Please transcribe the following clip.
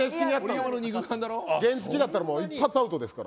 原付だったら一発アウトですから。